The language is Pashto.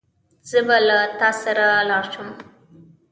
زه به له تا سره لاړ شم.